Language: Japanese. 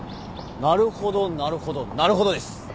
なるほどなるほどなるほどです。